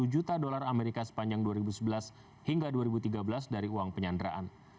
dua puluh juta dolar amerika sepanjang dua ribu sebelas hingga dua ribu tiga belas dari uang penyanderaan